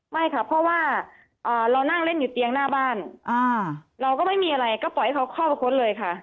ไม่ค่ะเพราะว่าเรานั่งเล่นอยู่เตียงหน้าบ้านเราก็ไม่มีอะไรก็ปล่อยให้เขาเข้าไปค้นเลยค่ะ